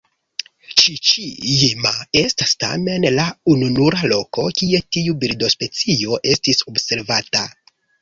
Ĉiĉi-jima estas tamen la ununura loko kie tiu birdospecio estis observata.